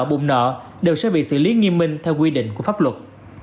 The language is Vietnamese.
bùm nợ đều sẽ bị xử lý nghiêm minh theo quy định của pháp luật